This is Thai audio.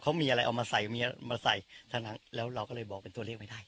เขามีอะไรเอามาใส่เมียมาใส่ทั้งนั้นแล้วเราก็เลยบอกเป็นตัวเลขไม่ได้